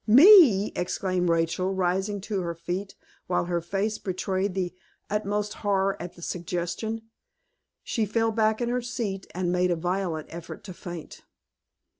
"Me!" exclaimed Rachel, rising to her feet, while her face betrayed the utmost horror at the suggestion. She fell back in her seat, and made a violent effort to faint.